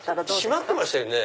閉まってましたよね